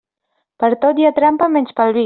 Per a tot hi ha trampa menys per al vi.